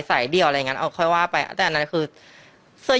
เดี่ยวอะไรอย่างงั้นเอาค่อยว่าไปแต่อันนั้นคือเสื้อ